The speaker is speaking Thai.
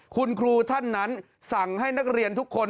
คุณครูท่านนั้นสั่งให้นักเรียนทุกคน